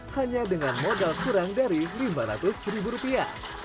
hanya dengan modal kurang dari lima ratus ribu rupiah